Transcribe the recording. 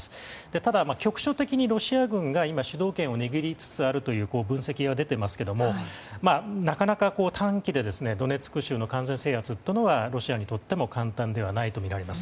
ただ、局所的にロシア軍が今、主導権を握りつつあるという分析が出てますけれどもなかなか短期でドネツク州の完全制圧とまではロシアにとっても簡単ではないとみられます。